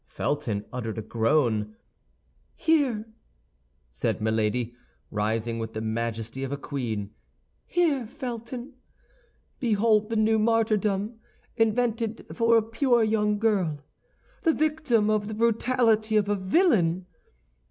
Felton uttered a groan. "Here," said Milady, rising with the majesty of a queen, "here, Felton, behold the new martyrdom invented for a pure young girl, the victim of the brutality of a villain.